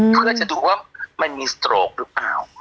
เพื่อจะดูว่ามันมีสโตรกหรือเปล่า